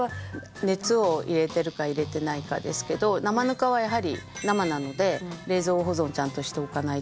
熱を入れてるか入れてないかですけど生ぬかはやはり生なので冷蔵保存ちゃんとしておかないとっていうのもありますね。